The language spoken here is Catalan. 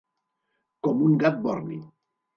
Com un gat borni.